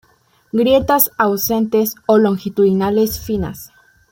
Grietas ausentes o longitudinales finas.